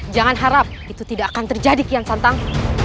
jangan harap itu tidak akan terjadi kian santang